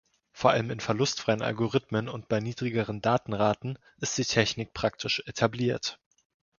Vor allem in verlustfreien Algorithmen und bei niedrigeren Datenraten ist die Technik praktisch etabliert.